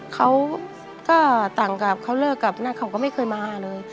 เขาก็ต่างกับเขาเลิกกับเขาก็ไม่เคยมาเลย